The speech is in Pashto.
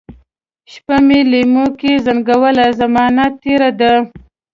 شپه مي لېموکې زنګوله ، زمانه تیره ده